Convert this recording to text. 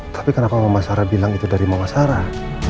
tapi kenapa mama sarah bilang itu dari mama sarah